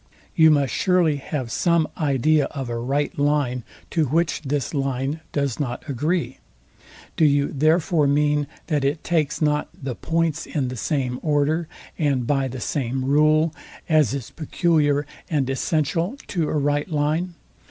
You must surely have some idea of a right line, to which this line does not agree. Do you therefore mean that it takes not the points in the same order and by the same rule, as is peculiar and essential to a right line?